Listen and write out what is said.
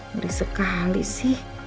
ngeri sekali sih